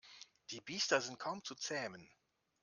Die Biester sind kaum zu zähmen.